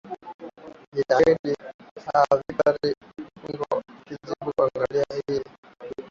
aa victora abuso tukijaribu kuangalia hili